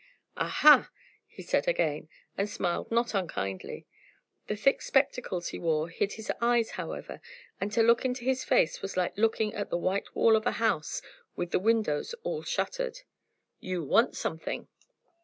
"Ah ha!" he said again, and smiled not unkindly. The thick spectacles he wore hid his eyes, however, and to look into his big face was like looking at the white wall of a house with the windows all shuttered. "You want something!"